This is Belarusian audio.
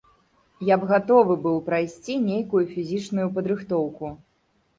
Я б гатовы быў прайсці нейкую фізічную падрыхтоўку.